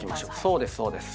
そうですそうです。